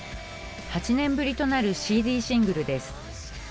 ８年ぶりとなるＣＤシングルです。